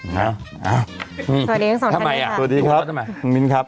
พวกมันสำคัญกว่ามีนคะ